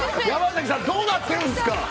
山崎さんどうなってるんですか！